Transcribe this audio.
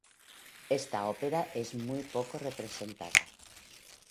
Esta ópera es muy poco representada.